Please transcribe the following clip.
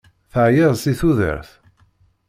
Teεyiḍ si tudert?